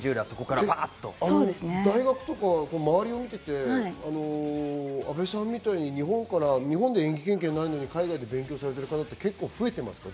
大学とか周りを見ていて、安部さんみたいに日本で演技経験ないのに海外で勉強されてる方、増えていますか？